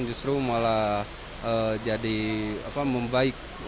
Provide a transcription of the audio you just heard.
justru malah jadi membaik